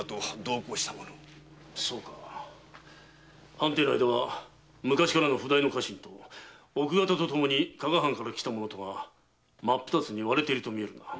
藩邸内では昔からの譜代の家臣と奥方とともに加賀藩から来た者が真っ二つに割れていると見えるな。